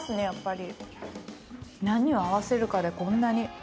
何を合わせるかでこんなに。